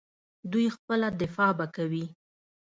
دوی خپله دفاع به کوي.